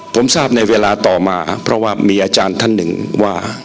ผมทราบในเวลาต่อมาเพราะว่ามีอาจารย์ท่านหนึ่งว่า